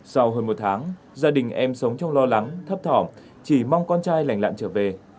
sau hơn một tháng gia đình em sống trong lo lắng thấp thỏm chỉ mong con trai lành lặn trở về